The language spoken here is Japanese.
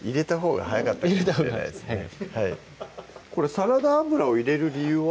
サラダ油を入れる理由は？